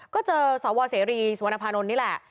ก็เจอสวเสรีสุวรรณภานนท์นี่แหละ